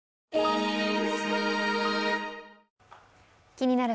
「気になる！